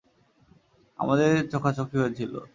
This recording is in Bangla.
আমাদের চোখাচোখি হয়েছিলো।